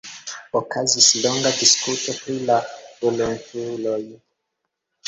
Okazis longa diskuto pri la volontuloj.